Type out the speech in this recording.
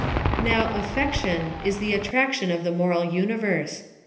Now, affection is the attraction of the moral uni verse.